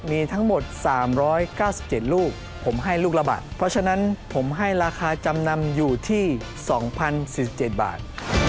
มีทั้งหมด๓๙๗ลูกผมให้ลูกละบาทเพราะฉะนั้นผมให้ราคาจำนำอยู่ที่๒๐๔๗บาท